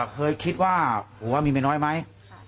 เคยคิดว่าผัวมีเมียน้อยไหม